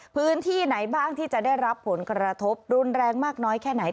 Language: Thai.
พื้นที่ไหนบ้างที่จะได้รับผลกระทบรุนแรงมากน้อยแค่ไหน